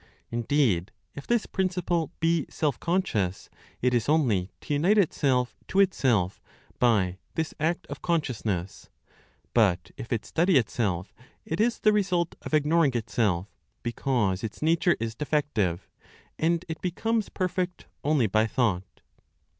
Indeed, if this principle be self conscious, it is only to unite itself to itself by this act of consciousness; but if it study itself, it is the result of ignoring itself, because its nature is defective, and it becomes perfect only by thought.